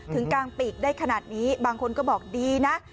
กลางปีกได้ขนาดนี้บางคนก็บอกดีนะ